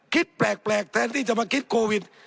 แปลกแทนที่จะมาคิดโควิด